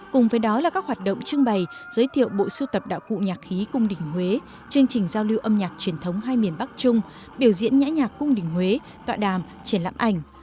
cùng với đó là các hoạt động trưng bày giới thiệu bộ sưu tập đạo cụ nhạc khí cung đình huế chương trình giao lưu âm nhạc truyền thống hai miền bắc trung biểu diễn nhã nhạc cung đình huế tọa đàm triển lãm ảnh